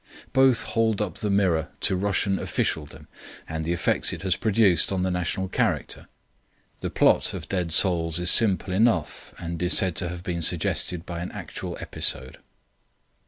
Both hold up the mirror to Russian officialdom and the effects it has produced on the national character. The plot of Dead Souls is simple enough, and is said to have been suggested by an actual episode.